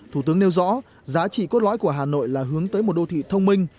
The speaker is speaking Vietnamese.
thủ tướng nêu rõ giá trị cốt lõi của hà nội là hướng tới một đô thị thông minh